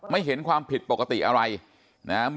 ไม่เห็นความผิดปกติอะไรนะครับ